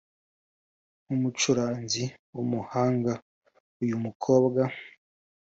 nk’umucuranzi w’umuhanga. Uyu mukobwa